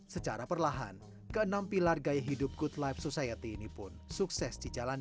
secara perlahan keenam pilar gaya hidup good life society ini pun sukses dijalankan